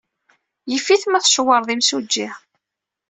Yif-it ma tcawṛeḍ imsujji.